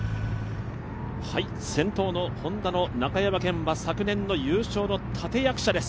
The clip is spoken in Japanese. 先頭のＨｏｎｄａの中山顕は昨年の優勝の立役者です。